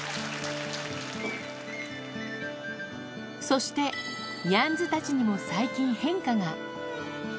そして、ニャンズたちにも最近、変化が。